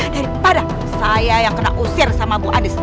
daripada saya yang kena usir sama bu anies